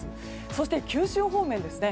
そして、九州方面ですね。